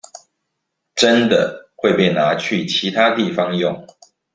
真的會被拿去其他地方用